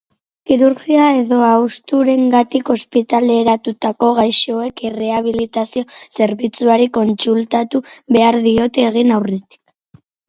Kirurgia edo hausturengatik ospitaleratutako gaixoek errehabilitazio-zerbitzuari kontsultatu behar diote egin aurretik.